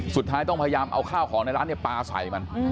สุดท้ายต้องพยายามเอาข้าวของในร้านปลาใส่มัน